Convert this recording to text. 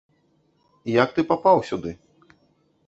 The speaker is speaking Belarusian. Як ты папаў сюды?